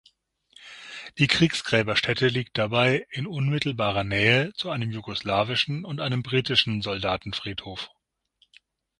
Die Kriegsgräberstätte liegt dabei in unmittelbarer Nähe zu einem jugoslawischen und einem britischen Soldatenfriedhof.